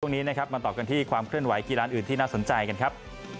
ตรงนี้นะครับมาต่อกันที่ความเคลื่อนไหกีฬานอื่นที่น่าสนใจกันครับ